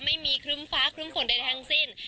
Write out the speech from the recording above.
ไม่มีครึ่มฟ้าครึ่มฝนใดทางสิ้น